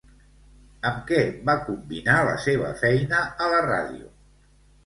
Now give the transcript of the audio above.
Amb que va combinar la seva feina a la ràdio?